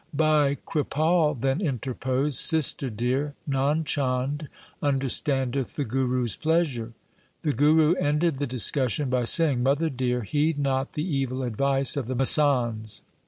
Bhai Kripal then interposed :' Sister dear, Nand Chand understandeth the Guru's plea sure.' The Guru ended the discussion by saying, 'Mother dear, heed not the evil advice of the masands.